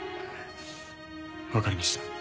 分かりました。